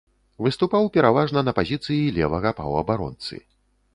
Выступаў пераважна на пазіцыі левага паўабаронцы.